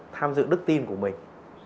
tham dự đức tin của mình